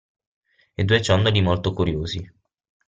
E due ciondoli molto curiosi.